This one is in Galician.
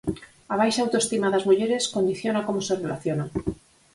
A baixa autoestima das mulleres condiciona como se relacionan.